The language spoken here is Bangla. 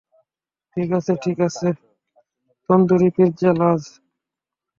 ঠিক আছে, ঠিক আছে, তন্দুরি পিজ্জা লার্জ।